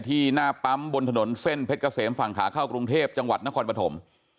หน้าปั๊มบนถนนเส้นเพชรเกษมฝั่งขาเข้ากรุงเทพจังหวัดนครปฐม